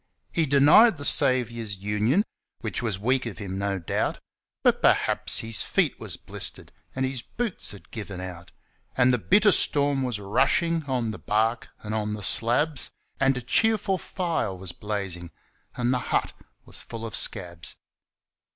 He denied the Saviour's union, Which was weak of him, no doubt; But perhaps his feet was blistered And his boots had given out. And the bitter storm was rushin' On the bark and on the slabs, And a cheerful fire was blazin', And the hut was full of 'scabs.